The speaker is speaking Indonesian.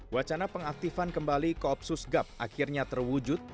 wacana pengaktifan kembali koopsus gap akhirnya terwujud